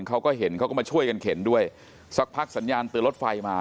เขาก็เห็นเขาก็มาช่วยกันเข็นด้วยสักพักสัญญาณเตือนรถไฟมา